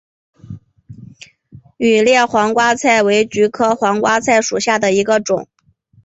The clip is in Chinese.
羽裂黄瓜菜为菊科黄瓜菜属下的一个种。